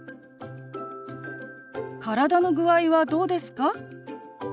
「体の具合はどうですか？」。